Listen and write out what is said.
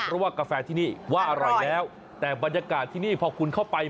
เพราะว่ากาแฟที่นี่ว่าอร่อยแล้วแต่บรรยากาศที่นี่พอคุณเข้าไป